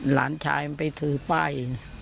หลานชายมันไปถือป้าย